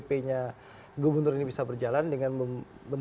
harapan kami segera saja gubernur dki berkomunikasi dengan kementerian dalam negeri